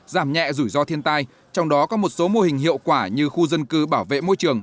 giảm nhẹ rủi ro thiên tai trong đó có một số mô hình hiệu quả như khu dân cư bảo vệ môi trường